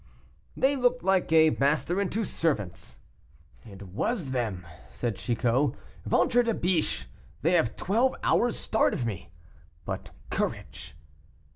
"They looked like a master and two servants!" "It was them," said Chicot; "ventre de biche! they have twelve hours' start of me. But courage!"